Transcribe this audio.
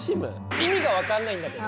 意味が分かんないんだけど！